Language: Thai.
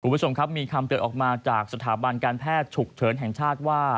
คุณผู้ชมครับมีคำเตือนออกมาจากสถาบันการแพทย์ฉุกเฉินแห่งชาติว่า